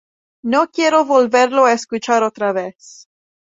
No quiero volverlo a escuchar otra vez".